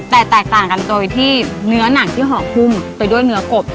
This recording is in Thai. แต่แตกต่างกันตัวอยู่ที่เนื้อหนังที่หอคุมแต่ด้วยเนื้อกบ